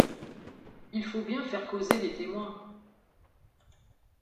Il faut bien faire causer les témoins.